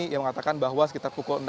yang mengatakan bahwa sekitar pukul enam